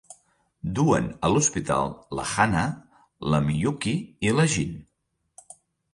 Duen a l'hospital la Hana, la Miyuki i la Gin.